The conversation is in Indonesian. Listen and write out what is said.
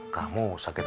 kamu gak sakit hati